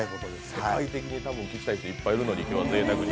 世界的に聴きたい人いっぱいいるのに、今日はぜいたくに。